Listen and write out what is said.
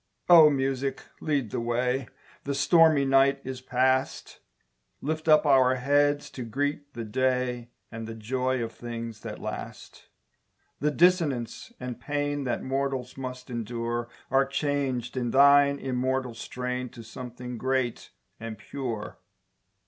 O Music, lead the way The stormy night is past, Lift up our heads to greet the day, And the joy of things that last. The dissonance and pain That mortals must endure Are changed in thine immortal strain To something great and pure.